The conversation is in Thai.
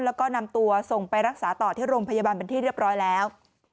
แล้วก็นำตัวส่งไปรักษาต่อที่โรงพยาบาลเป็นที่เรียบร้อยแล้ว